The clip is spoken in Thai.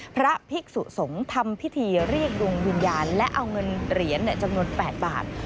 พระภิกษุสงฆ์ทำพิธีเรียกดวงวิญญาณและเอาเงินเหรียญจำนวน๘บาท